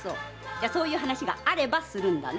じゃあそういう話があればするんだね？